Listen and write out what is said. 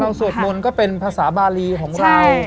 สวดมนต์ก็เป็นภาษาบารีของเรา